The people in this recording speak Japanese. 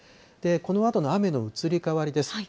このあとの雨の移り変わりです。